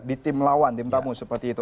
di tim lawan tim tamu seperti itu